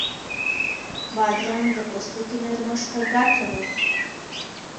بادرنګ د پوستکي نرمښت ته ګټه لري.